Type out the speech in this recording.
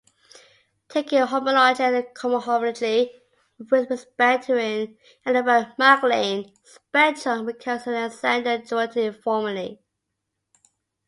Taking homology and cohomology with respect to an Eilenberg-MacLane spectrum recovers Alexander duality formally.